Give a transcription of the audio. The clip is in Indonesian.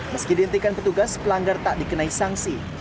meski dihentikan petugas pelanggar tak dikenai sanksi